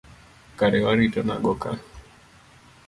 Kare warito nago ka.